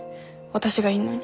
私がいんのに。